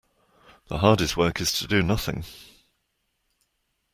The hardest work is to do nothing.